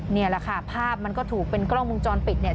นี่แหละค่ะภาพมันก็ถูกเป็นกล้องมุมจรปิดเนี่ย